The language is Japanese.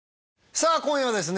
さあ今夜はですね